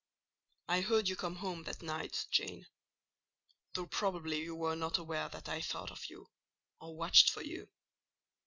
I heard you come home that night, Jane, though probably you were not aware that I thought of you or watched for you.